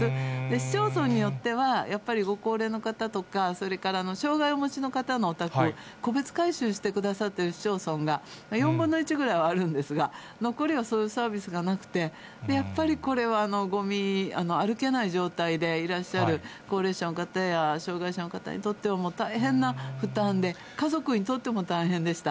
市町村によっては、やっぱりご高齢の方とか、それから障がいをお持ちの方のお宅を戸別回収してくださってる市町村が４分の１ぐらいはあるんですが、残りはそういうサービスがなくて、やっぱりこれはごみ、歩けない状態でいらっしゃる高齢者の方や障がい者の方にとっては大変な負担で、家族にとっても大変でした。